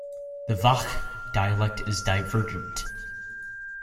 The Vakh dialect is divergent.